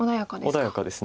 穏やかです。